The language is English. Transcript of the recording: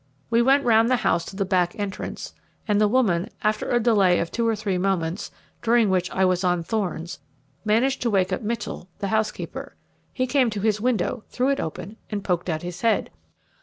We went round the house to the back entrance, and the woman, after a delay of two or three moments, during which I was on thorns, managed to wake up Mitchell the housekeeper. He came to his window, threw it open, and poked out his head.